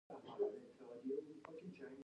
د ملکي خدمتونو د مامورینو استخدام باید وشي.